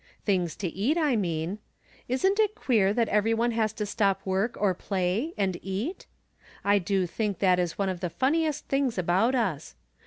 Things to eat, I mean. Isn't it queer that every one has to stop work, or play, and eat ? I do think that is one ot the fun niest things about us.